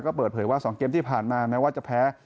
ก็เปิดเผยว่า๒เกมที่ผ่านมาแม้ว่าจะแพ้